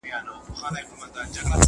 که لاس لیکنه ښه وي نو لوستل یې اسانه وي.